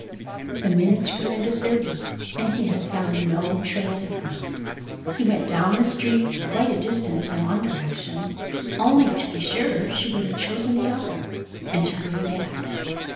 The minutes grew into thirty, and he had found no trace of her. He went down the street quite a distance in one direction, only to be sure she would have chosen the other, and to hurry back.